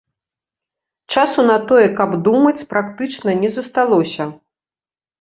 Часу на тое, каб думаць, практычна не засталося.